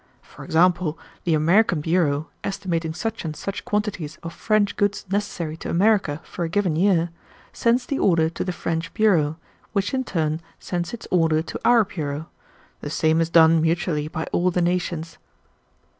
For example, the American bureau, estimating such and such quantities of French goods necessary to America for a given year, sends the order to the French bureau, which in turn sends its order to our bureau. The same is done mutually by all the nations."